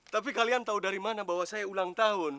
tapi kalian tahu dari mana bahwa saya ulang tahun